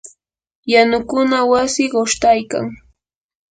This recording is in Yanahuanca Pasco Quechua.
yanukuna wasi qushtaykan.